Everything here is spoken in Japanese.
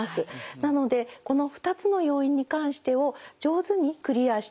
なのでこの２つの要因に関してを上手にクリアしていく。